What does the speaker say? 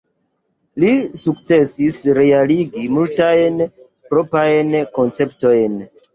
Li sukcesis realigi multajn proprajn konceptojn.